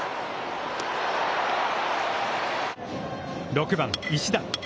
６番石田。